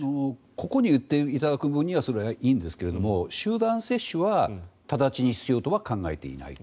個々に打っていただく分にはいいんですが、集団接種は直ちに必要とは考えていないと。